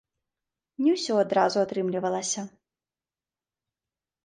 Не ўсё адразу атрымлівалася.